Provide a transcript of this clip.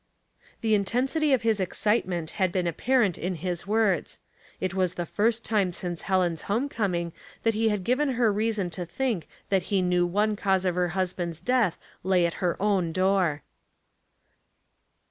The intensity of his excitement had been apparent in his words. It was the first time since Helen's home coming that he had given her reason to think that he knew one cause of her husband's death lay at her own door.